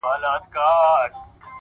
د وجود دا نيمايې برخه چي ستا ده;